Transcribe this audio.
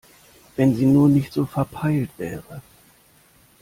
Wenn sie nur nicht so verpeilt wäre!